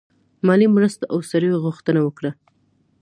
مالي مرستو او سړیو غوښتنه وکړه.